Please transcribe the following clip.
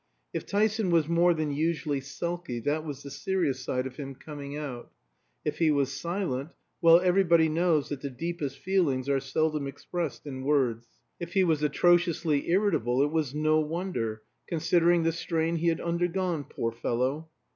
If Tyson was more than usually sulky, that was the serious side of him coming out; if he was silent, well, everybody knows that the deepest feelings are seldom expressed in words; if he was atrociously irritable, it was no wonder, considering the strain he had undergone, poor fellow.